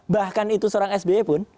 bahkan itu seorang sby pun